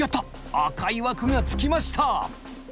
赤い枠がつきました。